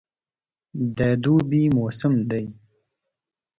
د دوبي موسم دی.